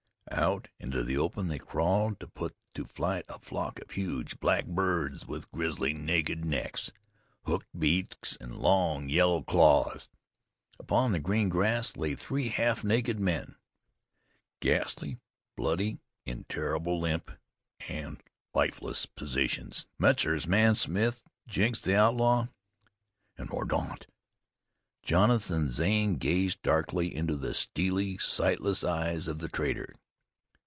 Out into the open they crawled to put to flight a flock of huge black birds with grisly, naked necks, hooked beaks, and long, yellow claws. Upon the green grass lay three half naked men, ghastly, bloody, in terribly limp and lifeless positions. "Metzar's man Smith, Jenks, the outlaw, and Mordaunt!" Jonathan Zane gazed darkly into the steely, sightless eyes of the traitor.